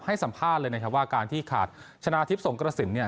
ให้สัมภาษณ์เลยนะครับว่าการที่ขาดชนะทิพย์สงกระสิน